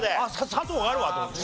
「さとう」があるわと思って。